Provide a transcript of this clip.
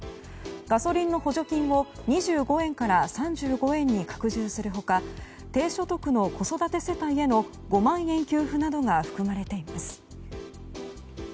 ガソリンの補助金を２５円から３５円に拡充する他低所得の子育て世帯への５万円給付などが含まれています。